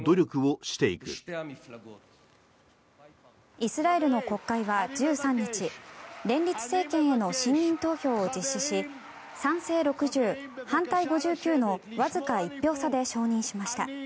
イスラエルの国会は１３日連立政権への信任投票を実施し賛成６０、反対５９のわずか１票差で承認しました。